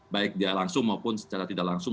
baik dia langsung maupun secara tidak langsung